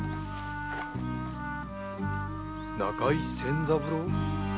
中井仙三郎？